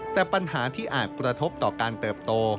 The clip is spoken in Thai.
แต่ปัญหาที่อาจกระทบต่อการเติบโต